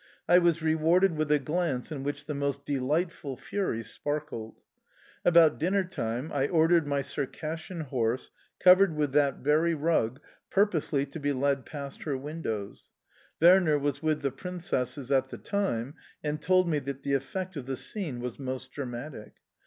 I was rewarded with a glance in which the most delightful fury sparkled. About dinnertime, I ordered my Circassian horse, covered with that very rug, purposely to be led past her windows. Werner was with the princesses at the time, and told me that the effect of the scene was most dramatic.